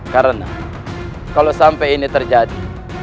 karena kalau sampai ini terjadi